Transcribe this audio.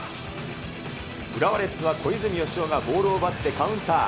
浦和レッズは小泉佳穂がボールを奪ってカウンター。